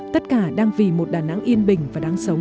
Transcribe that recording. tất cả đang vì một đà nẵng yên bình và đáng sống